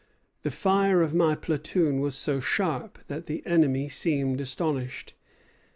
The fire of my platoon was so sharp that the enemy seemed astonished."